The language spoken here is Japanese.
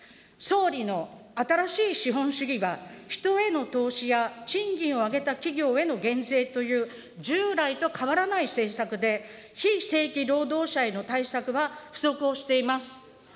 総理の新しい資本主義は、人への投資や賃金を上げた企業への減税という従来と変わらない政策で、非正規労働者への対策は不足をしています。